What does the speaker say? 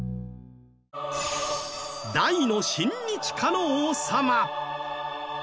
大の親日家の王様。